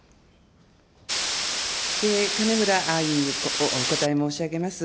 金村委員にお答え申し上げます。